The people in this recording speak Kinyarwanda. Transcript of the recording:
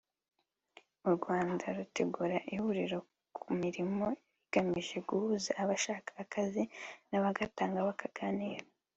u Rwanda rutegura ihuriro ku murimo rigamije guhuza abashaka akazi n’abagatanga bakaganira